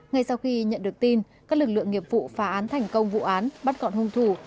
ngay sau khi nhận được tin các lực lượng nghiệp vụ phá án thành công vụ án bắt gọn hung thủ